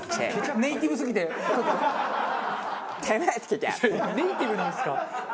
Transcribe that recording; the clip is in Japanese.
ネイティブなんですか？